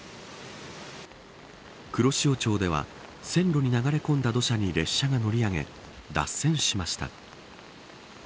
黒潮町では線路に流れ込んだ土砂に列車が乗り上げ脱線しました。